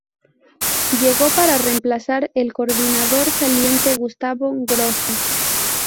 Llegó para reemplazar al coordinador saliente Gustavo Grossi.